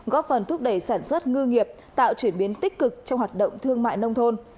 góp phần thúc đẩy sản xuất ngư nghiệp tạo chuyển biến tích cực trong hoạt động thương mại nông thôn